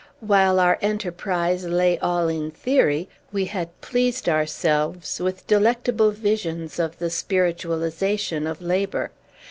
While our enterprise lay all in theory, we had pleased ourselves with delectable visions of the spiritualization of labor.